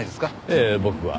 ええ僕は。